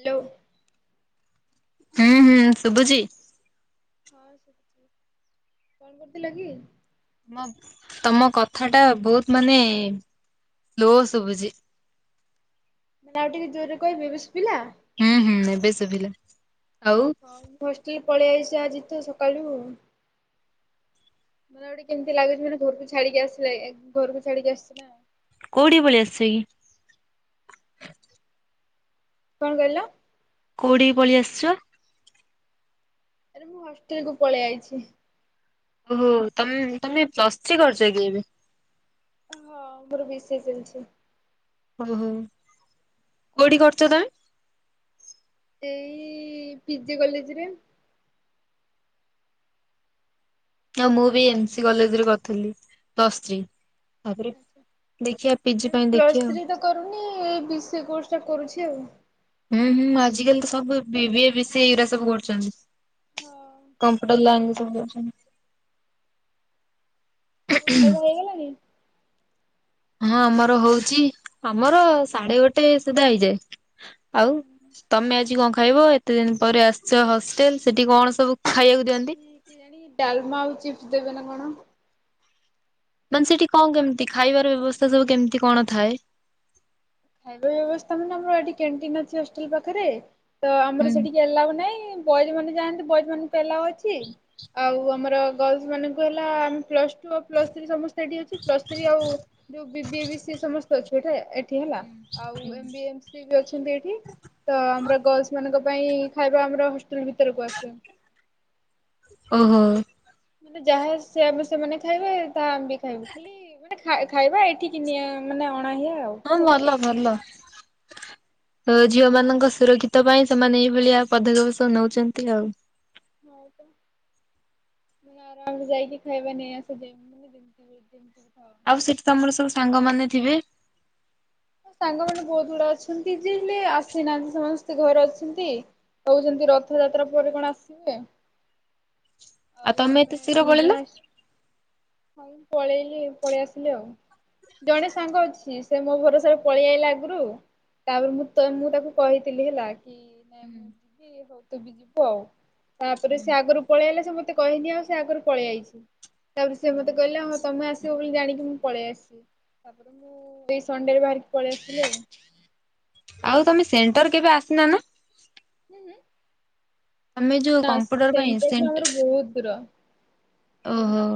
Hello. ହୁଁ ହୁଁ ଶୁଭୁଛି। ହଁ ଶୁଭୁଛି କଣ କରୁଥିଲ କି? ତମ ତମ କଥା ଟା ବହୁତ ମାନେ ଲୋ ଶୁଭୁଛି। ଆଉ ଟିକେ ଜୋରରେ କହିବି ଏବେ ଶୁଭିଲା? ହୁଁ ହୁଁ ଏବେ ଶୁଭିଲା। ଆଉ ହଁ ମୁଁ ହଷ୍ଟେଲ୍ ପଳେଇ ଆଇସି ଆଜି ତ ସକାଳୁ। ମାନେ ଗୋଟେ କେମିତି ଲାଗୁଛି ମାନେ ଘରକୁ ଛାଡିକି ଆସିଲେ ଘରକୁ ଛାଡିକି ଆସିଛି ନାଁ। କୋଉଠିକି ପଳେଇ ଅସିବେ କି? କଣ କହିଲ? କୋଉଠି କି ପଳେଇ ଆସିଛ? ଆରେ ମୁଁ ହଷ୍ଟେଲ୍ କୁ ପଳେଇଆଇଛି। ଓ ହୋ ତମ ତମେ ପ୍ଲସ ଥ୍ରି କରୁଛ କି ଏବେ? ହଁ ମୋର ବିଷୟ ଚାଲିଛି। ଓ ହୋ କୋଉଠି କରୁଚ ତମେ? ଏଇ ପିଜି କଲେଜ୍ ରେ। ହଁ ମୁଁ ବି ଏମସି କଲେଜ୍ ରେ କରୁଥିଲି ପ୍ଲଶ୍ ଥ୍ରୀ। ତାପରେ ଦେଖିବା ପିଜି ଆଚ୍ଛା ପାଇଁ ପ୍ଳଶ୍ ଦେଖିବା ଆଉ। ଥ୍ରି ତ କରୁନି ବିସିଏ କୋର୍ସ ଟା କରୁଛି ଆଉ। ହୁଁ ହୁଁ ଆଜିକାଲି ତ ସବୁ ବିିବିଏ ବିଶିଏ ଏରା ସବୁ କରୁଛନ୍ତି। ହଁ ଆଉ କମ୍ପ୍ୟୁଟର୍ ଲାଇନ୍ ରେ ସବୁ ଯାଉଛନ୍ତି। ବୋଉ ଖାଇବାକୁ ହେଇଗଲାଣି? ହଁ ଆମର ହଉଛି ଆମର ସାଢେ ଗୋଟେ ସୁଧା ହେଇଯାଏ। ଆଉ ତମେ ଆଜି କଣ ଖାଇବ ଏତେ ଦିନ ପରେ ଆସିଛ ହଷ୍ଟେଲ୍ ସେଠି କଣ ସବୁ ଖାଇବାକୁ ଆଜି ଦିଅନ୍ତି। କେଜାଣି ଡାଲମା ଆଉ ଚିପ୍ସ ଦେବେ ନା କଣ? ମାନେ ସେଠି କଣ କେମିତି ଖାଇବାର ବ୍ୟବସ୍ଥା ସବୁ କେମିତି କଣ ଥାଏ? ଖାଇବା ବ୍ୟବସ୍ଥା ମାନେ ଆମର ଏଠି କ୍ୟାଣ୍ଟିନ ଅଛି ହଷ୍ଟେଲ ପାଖରେ। ତ ଆମର ହୁଁ ସେଠି ଆଲାଉ ନାଇଁ ବଏଜ ମାନେ ଯାଆନ୍ତି ବଏଜ୍ ମାନଙ୍କୁ ଏଲାଉ ଅଛି। ଆଉ ଆମର ଗର୍ଲସ ମାନଙ୍କୁ ହେଲା ଆମେ ପ୍ଲସ୍ ଟୁ ଆଉ ପ୍ଲସ୍ ଥ୍ରୀ ସମସ୍ତ ସେଠି ଅଛି ପ୍ଲସ୍ ଥ୍ରୀ ଆଉ ଯୋଉ ବି ବି ଏ ବି ସି ଏ ସମସ୍ତେ ଅଛୁ ଏଠି ହେଲା ଏଠି ହେଲା। ଆଉ ଏମ ବି ଏ, ଏମ ସିଏ ବି ଅଛନ୍ତି ଏଠି। ତ ଆମର ଗର୍ଲସ ମାନଙ୍କ ପାଇଁ ଖାଇବା ଆମର ହସ୍ ଟେଲ ଭିତରକୁ ଆସେ। ଓହୋ। ମାନେ ଯାହା ସେ ଆମେ ସେମାନେ ଖାଇବେ, ତାହା ଆମେ ବି ଖାଇବୁ ଖାଲି ଲି ମାନେ ଖାଇ ଖାଇବା ଏଠିକି ନିଏ ମାନେ ଅଣାହୁଏ ଆଉ। ଭଲ ଭଲ। ତ ଝିଅ ମାନଙ୍କ ସୁରକ୍ଷିତ ପାଇଁ ସେମାନେ ଏଇଭଳିଆ ପଦକ୍ଷେପ ସବୁ ନଉଛନ୍ତି ଆଉ। ହଁ ପା ମ ଆରାମରେ ଯାଇକି ଖାଇବା ନେଇ ଆସୁ ଦେ [unintelligible] ଆଉ ସେଠି ତମର ସବୁ ସାଙ୍ଗମାନେ ଥିବେ? ସାଙ୍ଗମାନେ ବହୁତ ଗୁଡେ ଅଛନ୍ତି ଯେ ହେଲେ ଆସିନାହାନ୍ତି ସେମାନେ ସ ଘରେ ଅଛନ୍ତି। କହୁଛନ୍ତି ରଥଯାତ୍ରା ପରେ କଣ ଆସିବେ। ଆଉ ତମେ ଏତେ ଆମେ ଶୀଘ୍ର ଦି ପଳେଇଲ। ଜଣ ଆ ପଳେଇଲି ପଳେଇ ଆସିଲି ଆଉ। ଜଣେ ସାଙ୍ଗ ଅଛି ସେ ମୋ ଭରସାରେ ପଳେଇଆଇଲା ଆଗରୁ। ତାପରେ ମୁଁ ତ ମୁଁ ତାକୁ କହିଥିଲି ହେଲା କି ନାଇଁ ମୁଁ ଯିବି, ହଉ ତୁ ବି ଯିବୁ ଆଉ। ତାପରେ ସେ ଆଗରୁ ପଳେଇ ଆଇଲା ସେ ମତେ କହିନି ଆଉ ସେ ଆଗରୁ ପଳେଇଆଇଚି। ସେ ମତେ କହିଲା ହଁ ତମେ ଆସିବ ବୋଲି ଜାଣିକି ମୁଁ ପଳେଇ ଆସିଲି। ତାପରେ ମୁଁ ଏଇ ସଣ୍ଡେରେ ବାହାରିକି ପଳେଇ ଆସିଲି ଆଉ। ଆଉ ତମେ ସେଣ୍ଟର କେବେ ଆସିନ ନା? ହୁଁ ହୁଁ। ଆମେ ଯୋଉ କମ୍ପ୍ୟୁଟର ପାଇଁ ସେଣ୍ଟରଠୁ ଇସେଣ୍ଟ ଆମର ବହୁତ ଦୂର ଓହୋ।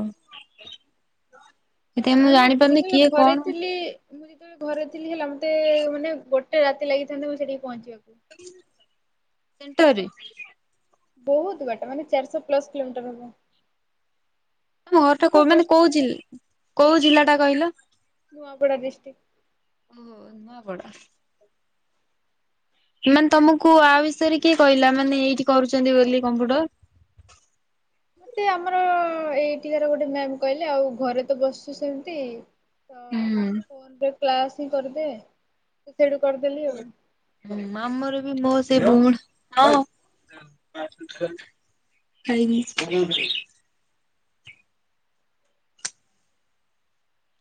ସେଥିପାଇଁ ମୁଁ ମାନେ ଜାଣିପାରୁନି ଯେତେବେଳେ କିଏ ଘରେ କଣ। ଥିଲି ମୁଁ ଯେତେବେଳେ ଘରେ ଥିଲି ହେଲା ମତେ ମାନେ ଗୋଟେ ରାତି ଲାଗିଥାନ୍ତା ମୁଁ ସେଠିକି ପହଞ୍ଚିବାକୁ। ସେଣ୍ଟରରେ? ବହୁତ ବାଟ ମାନେ ଚାରିଶ ପ୍ଲସ କିଲୋମିଟର ହବ। ତମ ଘରଟା ମୁଁ ଏବେ କୋ ମାନେ କୋଉ ହଷ୍ଟେଲ ଜି କୋଉ ଜିଲ୍ଲା ଟା କହିଲ? ନୂଆପଡ଼ା ଡିଷ୍ଟିକ୍। ଓହୋ ନୂଆପଡ଼ା। ମାନେ ତମକୁ ଆ ବିଷୟରେ କିଏ କହିଲା ମାନେ ଏଇଠି କରୁଛନ୍ତି ବୋଲି କମ୍ପ୍ୟୁଟର। ସିଏ ଆମର ଏଇଠିକାର ଗୋଟେ ମ୍ୟାାମ କହିଲେ ଆଉ ଘରେ ତ ବସଛୁ ସେମିତି ତ ହୁଁ ଫୋନରେ କ୍ଲାସ ହିଁ କରିଦେ, ମୁଁ ସେଇଠୁ କରିଦେଲି ଆଉ। ହୁଁ। ଆମର ବି ମୋ ସେ ଭଉଣୀ, ହଁ। ଖାଇବି। [unintelligible]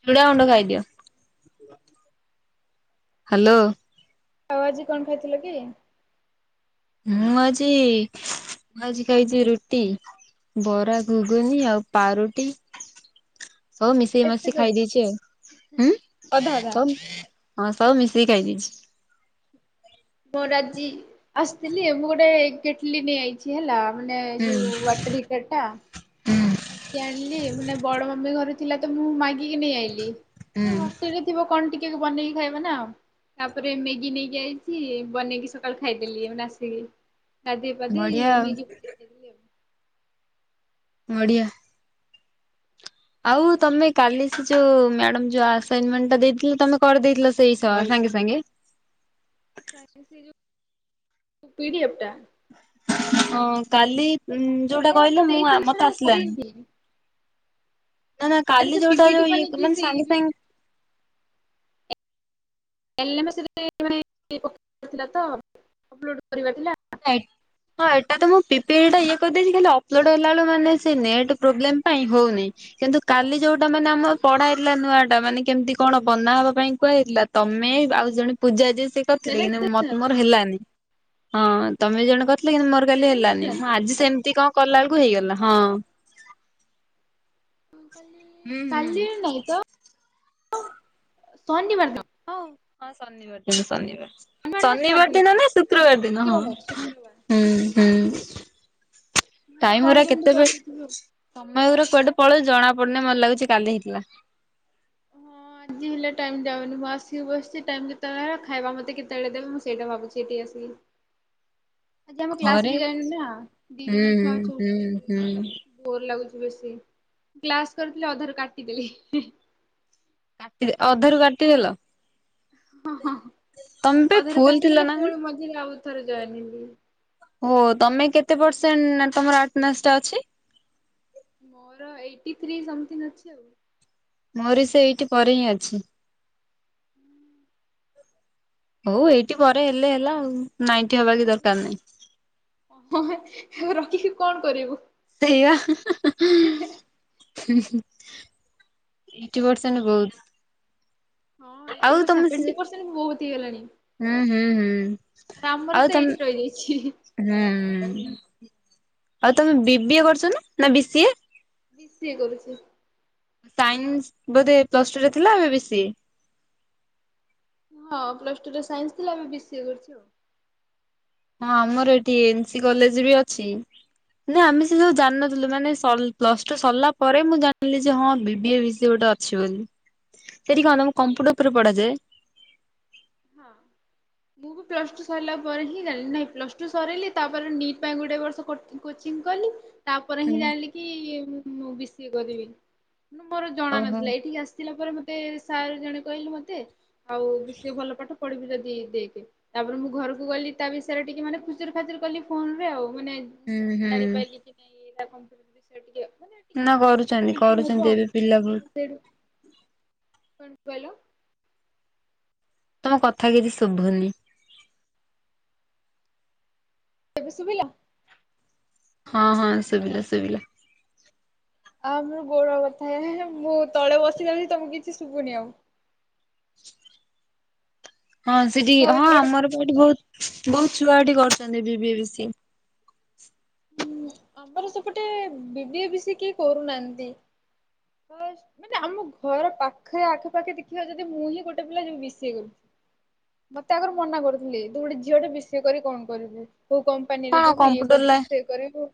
ଚୁଡ଼ାଗୁଣ୍ଡ ଖାଇଦିଅ। ହ୍ୟାଲୋ। ଆଉ ଆଜି କଣ ଖାଇଥିଲ କି? ମୁଁ ଆଜି ମୁଁ ଆଜି ଖାଇଛି ରୁଟି। ବରା, ଘୁଘୁନି ଆଉ ପାରୁଟି। ସବୁ ମିଶେଇ ଏତେ ମାସିକି ସବୁ ଖାଇ ଦେଇଚି ଆଉ। ଉଁ। [unintelligible] ଅଧା ଅଧା ହଁ ସବୁ ମିଶେଇକି ଖାଇଦେଇଚି। ମୋ ଆଜି ଆସିଥିଲି ମୁଁ ଗୋଟେ କେଟଲି ନେଇ ଆଇଚି। ଚି ହେଲା ମାନେ ଯୋଉ ହୁଁ ୱାଟର ହିଟର ଟା। ହୁଁ ଆଜି ଜାଣିଲି। ମାନେ ବଡ ମମି ଘରେ ଥିଲା ତ ମୁଁ ମାଗିକି ନେଇ ଆଇଲି। ମାନେ ହୁଁ ହଷ୍ଟେଲରେ ଥିବ କଣ ଟିକେ ବନେଇକି ଖାଇବା ନା। ତାପରେ ମ୍ୟାଗି ନେଇକି ଆଇଚି ବନେଇକି ସକାଳୁ ଖାଇଦେଲି ଏଉନା ଆସିକି। ଗାଧେଇ ପାଧେଇ ବଢିଆ ଆଉ ମ୍ୟାଗି ଖାଇଦେଲି ବଢ଼ିଆ। ଆଉ ତମେ କାଲି ସେ ଯୋଉ ମ୍ୟାଡ଼ାମ ଯୋଉ ଆସାଇନମେଣ୍ଟ ଟା ଦେଇଥିଲେ ତମେ କରିଦେଇଥିଲ ସେଇ ସ ସାଙ୍ଗେ ସାଙ୍ଗେ? କାଲି ସେଇ ଯୋଉ ପିଡିଏଫ ଟା? ହଁ କାଲି ଯୋଉଟା ମ୍ୟାମ୍ କହିଲେ ମୁଁ ଦେଇଥିଲେ ସେଟା ମତେ ମୁଁ ଆସିଲାନି। କରିନି ନା ନା ଆରେ କାଲି ସେ ଯୋଉଟା ପିପିଟି ଯଉ ଇଏ ବନେଇକି ମାନେ ସେଇ ସାଙ୍ଗେ ଯୋଉ ସାଙ୍ଗେ [unintelligible] [unintelligible] ହଁ ଏଟା ତ ମୁଁ ପିପିଇ ଟା ଇଏ କରିଦେଇଛି ଖାଲି ଅପଲୋଡ ହେଲା ବେଳୁ ମାନେ ସେ ନେଟ୍ ପ୍ରୋବ୍ଲେମ ପାଇଁ ହଉନି। କିନ୍ତୁ କାଲି ଯୋଉଟା ମାନେ ଆମ ପଢା ହେଇଥିଲା ନୂଆ ଟା, ମାନେ କେମିତି କଣ ବନା ହବା ପାଇଁ କୁହା ହେଇଥିଲା? ତମେ ଆଉ ଜଣେ ପୂଜା ଯେ ସିଏ କରିଥିଲେ ପ୍ରେଜେଣ୍ଟେସନ୍ କିନ୍ତୁ ମୋର ହେଲାନି? ହଁ ତମେ ଦି ଜଣେ କରିଥିଲ କିନ୍ତୁ ମୋର କାଲି ହେଲାନି। ପ୍ରେଜେଣ୍ଟେସନ୍ ମୁଁ ଆଜି ସେମିତି କଣ କଲା ବେଳକୁ ହେଇଗଲା ହଁ। ହୁଁ ହୁଁ କାଲି ନାଇଁ ତ। ଶନିବାର ନ। ହଁ ଶନିବାର ଦିନ ଶନିବାର। ନା ଶୁକ୍ରବାର ଶନିବାର ଦିନ ଥିଲା। ନା ଶୁକ୍ରବାର ଦିନ ହଁ ଶୁକ୍ରବାର ଶୁକ୍ରବାର ହୁଁ ହୁଁ। ହଁ ଟାଇମ କଣ ଗୁରା କେମିତି କରିଦେଇଥିବି ଆଉ। କେତେବେଳେ ସମୟ ଗୁରା କୁଆଡେ ପଳଉଚି ଜଣା ପଡୁନି ମତେ ଲାଗୁଛି କାଲି ହେଇଥିଲା। ହଁ। ଆଜି ହେଲା ଟାଇମ୍ ଯାଉନି ବସି ବସି ଟାଇମ୍ କେତେବେଳେ ଖାଇବା ମତେ କେତେବେଳେ ଦେବେ ମୁଁ ସେଇଟା ଭାବୁଛି ଏଠିକି ଆସିକି? ଆ ଆମ କ୍ଲାସ ଘରେ ବି ଯାଇନି ନା ଦି ହୁଁ ଜଣ ଛୁଆ ଅଛୁ ହୁଁ ହୁଁ ଭୋର ଲାଗୁଛି ବେଶି କ୍ଲାସ୍ କରିଥିଲି ଅଧାରୁ କାଟିଦେଲି ହିଁ ହିଁ। ଅଧାରୁ କାଟିଦେଲ? ଓହୋ ତମେ ପା ଅଧାରୁ ଫୁଲ ଥିଲ କାଟିଦେଲି ନା କଣ? ପୁଣି ମଝିରେ ଆଉ ଥରେ ଜଏନ ହେଲି। ଓ ତମେ କେତେ ପରସେଣ୍ଟ ତମ ଆଟନାସ୍ ଟା ଅଛି? ମୋର ଏଇଟି ଥ୍ରୀ ସମଥିଙ୍ଗ ଅଛି ଆଉ। ମୋର ବି ସେ ଏଇଟି ପରେ ହିଁ ଅଛି। ହଉ ଏଇଟି ପରେ ହେଲେ ହେଲା ଆଉ ନାଇଁଟି ହବା କିଛି ଦରକାର ନାହିଁ। ହଁ - ହେଁ ରଖିକି କଣ କରିବୁ? ସେଇଆ ହେଁ ହେଁ। ହେଁ ହେଁ। ହୁଁ ହୁଁ ଏଇଟି ପରସେଣ୍ଡ ବହୁତ୍। ହଁ ଏଇଟି କୁ ସେ ସେଭେଣ୍ଟି ପରସେଣ୍ଟ ବହୁତ୍ ହେଇଗଲାଣି। ହୁଁ ହୁଁ ହୁଁ ଆମର ଆଉ ତ ତମେ ଏଇଟି ରହିଯାଇଛି। ହୁଁ ଆଉ ତମେ ବିି ବି ଏ କରୁଛନା ନା ବି ସି ଏ? ବି ସି ଏ କରୁଛି। ସାଇନ୍ସ ବୋଧେ ପ୍ଲସ ଟୁ ରେ ଥିଲା ଏ ବି ସି ଏ? ହଁ ପ୍ଲସ ଟୁ ରେ ସାଇନ୍ସ ଥିଲା ଏବେ ବି ସି ଏ କରୁଚି ଆଉ। ହଁ ଆମର ଏଠି ଏନ୍ ସି କଲେଜ ବି ଅଛି ନା ଆମେ ସେ ଯୋଉ ଜାଣିନଥିଲୁ ମାନେ ସ ପ୍ଲସ ଟୁ ସରିଲା ପରେ ମୁଁ ଜାଣିଲି ଯେ ହଁ ବିି ବି ଏ, ବି ସି ଏ ଗୋଟେ ଅଛି ବୋଲି ସେଠି କଣ କମ୍ପୁଟର ଆଚ୍ଛା ଉପରେ ପଢ଼ାଯାଏ? ହଁ। ମୁଁ ବି ପ୍ଲସ ଟୁ ସରିଲା ପରେ ହିଁ ଜାଣିଲି ନାହିଁ ପ୍ଲସ୍ ଟୁ ସରେଇଲି ତାପରେ ନିଟ୍ ପାଇଁ ଗୋଟେ ଏ ବର୍ଷ କ କୋଚିଂ କଲି ତାପରେ ହୁଁ ହିଁ ଜାଣିଲି କି ମୁଁ ବି ସି ଏ କରିବି। ମୋର ଜଣା ଓହୋ ନଥିଲା ଏଇଠିକି ଆସିଲା ପରେ ମତେ ସାର୍ ଜଣେ କହିଲେ ମତେ ଆଉ ସେ ଭଲ ପଢ଼ିବୁ ଯଦି ଦେଇକି। ତାପରେ ମୁଁ ଘରକୁ ଗଲି ତା ବିଷୟରେ ଟିକେ ମାନେ ଖୁଚୁରୁ ଖାଚୁରୁ କଲି ଫୋନ ରେ ଆଉ ମାନେ ହୁଁ ହୁଁ ଜାଣି ପାରିଲି କି ନାଇଁ ଏଡ଼ା କମ୍ପ୍ୟୁଟର ବିଷୟରେ ଟିକେ ମାନେ ଟିକେ ନା କରୁଛନ୍ତି କରୁଛନ୍ତି ଏବେ ପିଲା ବହୁତ। ସରି କଣ କହିଲ? ତମ କଥା କିଛି ଶୁଭୁନି। ଏବେ ଶୁଭିଲା? ହଁ ହଁ ଶୁଭିଲା ଶୁଭିଲା। ଆ ମୋର ଗୋଡ଼ ବଥା ହେଁ ମୁଁ ତଳେ ବସି ଯାଉଛି ତମକୁ କିଛି ଶୁଭୁନି ଆଉ। ହଁ ସେଠି ହଁ ଭାବୁଛି ଗୋଟେ ଆମର ବା ଏଠି ବହୁତ ବହୁତ ଛୁଆ ଏଠି କରୁଛନ୍ତି ବି ବି ଏ, ବି ସି ଏ। ଆମର ସେପଟେ ବି ବି ଏ, ବି ସି ଏ କିଏ କରୁନାହାନ୍ତି। ମାନେ ଆମ ଘର ପାଖେ ଆଖପାଖେ ଦେଖିବା ଯଦି ମୁଁ ହିଁ ଗୋଟେ ପିଲା ଯିଏ ବି ସି ଏ କରୁଛି। ମତେ ଆଗରୁ ମନା କରୁଥିଲେ ତୁ ଗୋଟେ ଝିଅ ଟେ ବି ସି ଏ କରିକି କଣ କରିବୁ [unintelligible] କମ୍ପାନୀରେ କଣ ଯିବୁ ଇଏ କମ୍ପୁଟର ଲା କରିବୁ ସେ କରିବୁ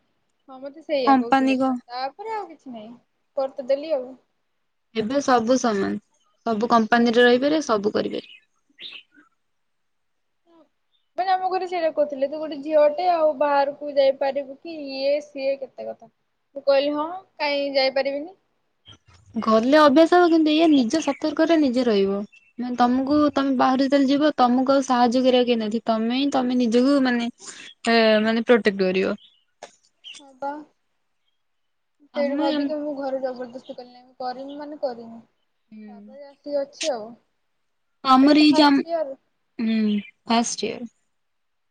ହଁ ମତେ ସେଇଆ କମ୍ପାନୀ କହୁଥିଲେ କ ତ ତାପରେ ଆଉ କିଛି ନାହିଁ କରିତ ଦେଲି ଆଉ। ଏବେ ସବୁ ସମାନ ସବୁ କମ୍ପାନୀରେ ରହିପାରିବେ ସବୁ କରିବେ। ଆମ ଘରେ ସେଇଟା କହୁଥିଲେ ତୁ ଗୋଟେ ଝିଅଟେ ଆଉ ବାହାରକୁ ଯାଇପାରିବୁ କି ଇଏ ସିଏ କେତେ କଥା। ମୁଁ କହିଲି ହଁ କାହିଁ ଯାଇପାରିବିନି? ଗଲେ ଅଭ୍ୟାସ ହେବ କିନ୍ତୁ ଏଇ ନିଜ ସତର୍କ ରେ ନିଜେ ରହିବ। ତମକୁ ତମେ ବାହାରୁ ଚାଲିଯିବ ତମକୁ ଆଉ ସାହାଯ୍ୟ କରିବାକୁ କେହିଁ ନଥିବେ ତମେ ତମ ନିଜକୁ ମାନେ ଏ ମାନେ ପ୍ରୋଟେକ୍ଟ କରିବ। ହଁ ବା ସେଇଠୁ ଆମେ ଆମ ଭାବିକି ମୁଁ ଘରେ ଜବରଦସ୍ତି କଲିନାହିଁ। କରିନି ମାନେ କରିନି ତାପରେ ଆସିକି ଅଛି ଆଉ। ତ ଏଇଟା ଆମରି ଫାଷ୍ଟ ଜାମ ଇୟର ହୁଁ, ଫାଷ୍ଟ ଇୟର୍।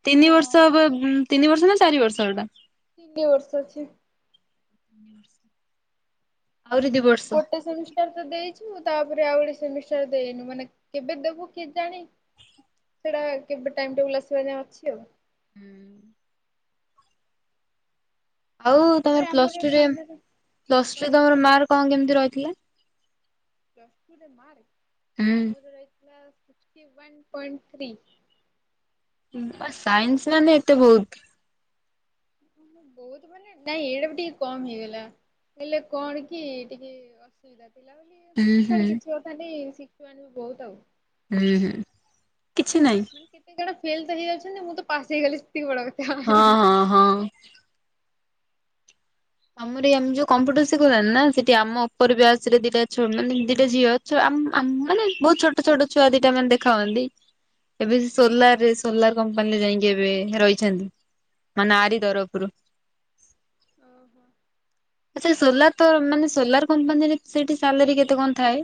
ତିନି ହଁ ବର୍ଷ ହବ ଉଁ, ତିନି ବର୍ଷ ନା ଚାରି ବର୍ଷ ଏଟା? ତିନି ବର୍ଷ ଅଛି। ନି ବର୍ଷ। ଆଉରି ଦି ବ ଗୋଟେ ସେମିଷ୍ ଷ୍ଟାର ତ ଦେଇଛି। ତାପରେ ଆଉ ଗୋଟେ ସେମିଷ୍ଟାର ଦେଇନୁ ମାନେ କେବେ ଦେବୁ କେଜାଣି। ସେଇଟା କେବେ ଟାଇମ୍ ଟେବୁଲ ଆସିବା ଯାଏ ଅଛି ଆଉ। ହୁଁ। ଆଉ ଆରେ ତୋମର ଆମର ପ୍ଲସ୍ ଟୁ ରେ ସାମ୍ନାରେ ପ୍ଲସ୍ ଟୁ କଣ ରେ କହିଲ ତୋମର ମାର୍କ କଣ କେମିତି ରହିଥିଲା? ପ୍ଲସ୍ ଟୁ ରେ ହୁଁ। ମାର୍କ ମୋର ରହିଥିଲା ସିକ୍ସଟି ୱାନ୍ ପଏଣ୍ଟ ଥ୍ରୀ। ମୋର ସାଇନ୍ସ ମାନେ ଏତେ ବହୁତ। ବହୁତ ମାନେ ନାଇଁ ଏଇଟା ବି ଟିକେ କମ ହେଇଗଲା। ହେଲେ କଣ କି ଟିକେ ଅସ ଅସୁବିଧା ଥିଲା ବୋଲି ହୁଁ ହଁ ହୁଁ ଛାଡ କିଛି ଅଟାବି ଶିଖିବାନି ବହୁତ ଆଉ। ହୁଁ, ହୁଁ, କିଛି ନାଇଁ। ମାନେ କେତେ ଜଣ ଫେଲ୍ ତ ହେଇ ଯାଉଛନ୍ତି। ମୁଁ ତ ପାସ୍ ହେଇଗଲି ସେତିକି ବଡ ହଁ କଥା। ହଁ ହଁ। ଆମର ଏଇ ଯୋଉ କମ୍ପୁଟର ଶିଖୁିଚନ୍ତି ନା ସେଠି ଆମ ଉପର ବ୍ୟାଚ୍ ରେ ଦିଟା ଛୁ ମାନେ ଦିଟା ଝିଅ ଛ ଆମ ଆମ ମାନେ ବହୁତ ଛୋଟ ଛୋଟ ଛୁଆ ଦିଟା ମାନେ ଦେଖା ହୁଅନ୍ତି। ଏବେ ସୋଲାରରେ ସୋଲାର କମ୍ପାନୀରେ ଯାଇକି ଏବେ ରହିଛନ୍ତି। ମାନେ ଆରି ତରଫରୁ। ଓହୋ। ଆ ସେଇ ସୋଲାର ତ ମାନେ ସୋଲାର କମ୍ପାନୀରେ ସେଠି ସାଲେରୀ କେତେ କଣ ଥାଏ?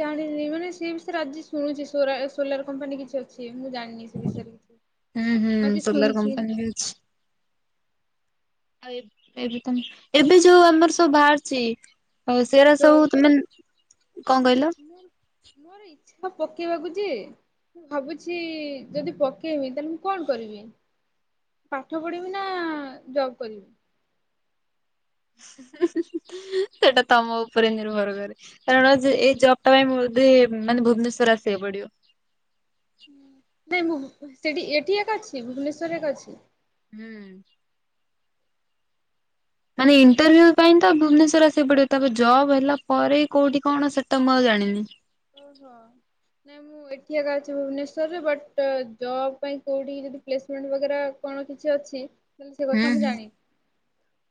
ଜାଣିନି ମାନେ ସେ ବିଷୟରେ ଆଜି ଶୁଣୁଛି ସୋରା ସୋଲାର କମ୍ପାନୀ କିଛି ଅଛି ମୁଁ ଜାଣି ନି ସେ ବିଷୟରେ କିଛି। ମୁଁ ଆଜି ଶୁଣୁଛି। ହେଲ୍ସ ଆଉ ଏ ଏବେ ତୋମ ଏବେ ଯୋଉ ଆମର ସବୁ ବାହାରଛି। ଆଉ ସେରା ସବୁ ତୁ ମାନ, କଣ କହିଲ? ମୋ ମୋର ଇଚ୍ଛା ପକେଇବାକୁ ଯେ। ମୁଁ ଭାବୁଛି ଯଦି ପକେଇବି ତାହେଲେ ମୁଁ କଣ କରିବି? ପାଠ ପଢିବି ନା ଜବ୍ କରିବି? ସେଟା ତୋମ ଉପରେ ନିର୍ଭର କରେ। କାରଣ ଯେ ଏ ଜବ୍ ଟା ପାଇଁ ବୋଧେ ମାନେ ଭୁବନେଶ୍ଵର ଆସିବାକୁ ପଡିବ। ନାଇଁ ମୁଁ ସେଠି ଏଠି ଏକା ଅଛି ଭୁବନେଶ୍ୱର ଏକା ଅଛି। ହୁଁ। ମାନେ ଇଣ୍ଟରଭ୍ୟୁ ପାଇଁ ତ ଭୁବନେଶ୍ୱର ଆସିବାକୁ ପଡିବ। ତାପରେ ଜବ୍ ହେଲା ପରେ କୋଉଠି କଣ ସେଟା ମୁଁ ଆଉ ଜାଣିନି। ଓ ହୋ ନାଇଁ ମୁଁ ମୁଁ ଏଠି ଏକା ଅଛି ଭୁବନେଶ୍ଵରରେ ବଟ୍ ଜବ୍ ପାଇଁ କୋଉଠି କି ଯଦି ପ୍ଲେସମେଣ୍ଟ ବଗେରା କଣ କିଛି ଅଛି। ତାହେଲେ ସେ ହଁ, କଥା ମୁଁ ହଁ, ଜାଣିନି।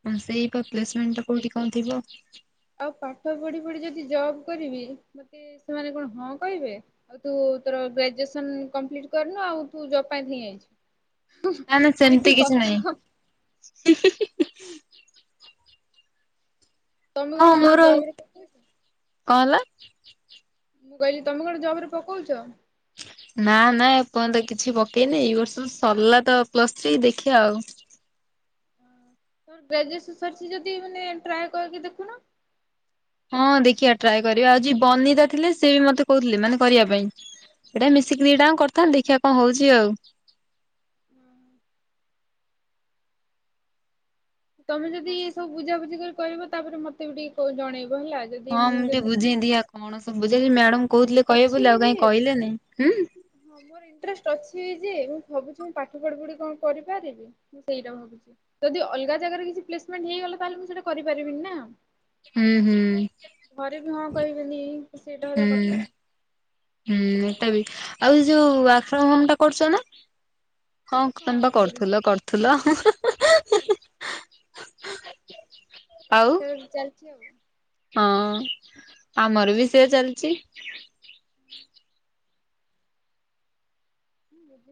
ହଁ ସେଇ କ- ପ୍ଲେସମେଣ୍ଟ ଟା କୋଉଠି କଣ ଥିବ ଆଉ ପାଠ ପଢି ପଢି ଯଦି ଜବ୍ କରିବି ମୋତେ ସେମାନେ କଣ ହଁ କହିବେ? ଆଉ ତୁ ତୋର ଗ୍ରାଜୁଏସନ କମ୍ପ୍ଲିଟ କରିନୁ ଆଉ ତୁ ଜବ୍ ପାଇଁ ଧାଇଁ ଆଇଛୁ। ନା ନା ଏ କି ସେମିତି କିଛି କଥା। ନାହିଁ। ତମେ ହଁ କଣ ମୋର, ଜବରେ ପକଉଛ? କଣ ହେଲା? ମୁଁ କହିଲି ତୋମେ କଣ ଜବ୍ ରେ ପକଉଛ? ନା ନା ଏପନ୍ତ କିଛି ପକେଇନି ଏଇ ବର୍ଷ ସରିଲା ତ ପ୍ଲସ୍ ଥ୍ରୀ ଦେଖିବା ଆଉ। ତୋର ଗ୍ରାଜୁଏସ ସରିଛି ଯଦି ମାନେ ଟ୍ରାଏ କରିକି ଦେଖୁନ। ହଁ ଦେଖିଆ ଟ୍ରାଏ କରିବା। ଆଉ ଯେ ବନିତା ଥିଲେ ସେ ବି ମୋତେ କହୁଥିଲେ ମାନେ କରିବା ପାଇଁ। ଏଟା ମିଶିକିରି ଦିଟାଙ୍କ କରିଥା ଦେଖିବା କଣ ହଉଛି ଆଉ। ତୋମେ ଯଦି ଏ ସବୁ ବୁଝାବୁଝି କରି କହିବ ତାପରେ ମୋତେ ବି ଟିକେ କ- ଜଣେଇବ ହେଲା। ଯଦି ହଁ ମୁଁ ଟିକେ ଯଦି [inaudible] ବୁଝେଇ ମୁଁ ଦିଆ କଣ ସବୁ ବୁଝେଇ ମ୍ୟାଡାମ କହୁଥିଲେ ଇଣ୍ଟରେଷ୍ଟ କହିବେ ଅଛି ବୋଲି ବି ଆଉ ଯେ କାହିଁ କହିଲେନି। ହୁଁ ହଁ ମୋର ଇଣ୍ଟରେଷ୍ଟ ଅଛି ଯେ। ମୁଁ ଭାବୁଛି ମୁଁ ପାଠ ପଢ଼ି ପଢି କଣ କରିପାରିବି? ମୁଁ ସେଇଟା ଭାବୁଛି ଯଦି ଅଲଗା ଜାଗାରେ କିଛି ପ୍ଲେସମେଣ୍ଟ ହେଇଗଲା ତାହେଲେ ମୁଁ ସେଇଟା କରିପାରିବିନିନା। ହୁଁ ହୁଁ। ଘରେ ବି ହଁ କହିବେନି। ସେଇଟା ହେଲା ହୁଁ। କଥା ହୁଁ ଏଟା ବି, ଆଉ ଯୋଉ ୱାର୍କ ଫ୍ରମ୍ ହୋମ ଟା କରୁଛ ନା? ହଁ ତମେ ବା କରୁଥିଲ କରୁଥିଲ ହେ ହେ ହେ ହେ। ହଁ। ଆଉ ଉଁ ଚାଲିଛି ଆଉ। ହଁ ଆମର ବି ସେୟା ଚାଲିଚି। [unintelligible]